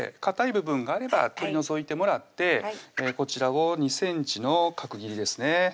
部分があれば取り除いてもらってこちらを２ｃｍの角切りですね